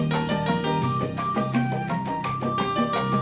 saya perlu bantuan kamu